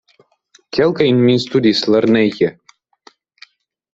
Kelkajn mi studis lerneje.